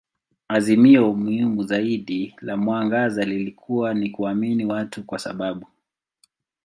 Azimio muhimu zaidi la mwangaza lilikuwa ni kuamini watu kwa sababu.